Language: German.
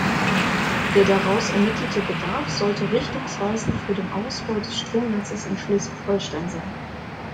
Der daraus ermittelte Bedarf sollte richtungsweisend für den Ausbau des Stromnetzes in Schleswig-Holstein sein.